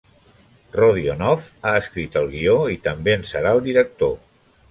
Rodionoff ha escrit el guió i també en serà el director.